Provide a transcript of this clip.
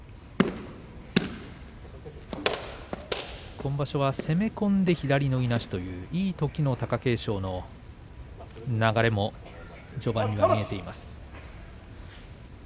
今場所は攻め込んで左のいなしという、いいときの貴景勝の流れも序盤には見えています。